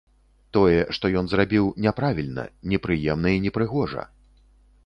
Тое, што ён зрабіў, няправільна, непрыемна і непрыгожа.